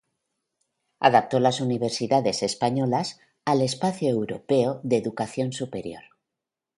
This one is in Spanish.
Adaptó las universidades españolas al Espacio Europeo de Educación Superior.